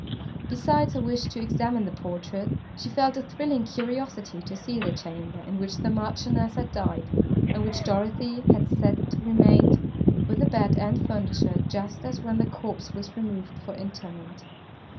Besides her wish to examine the portrait, she felt a thrilling curiosity to see the chamber, in which the Marchioness had died, and which Dorothée had said remained, with the bed and furniture, just as when the corpse was removed for interment.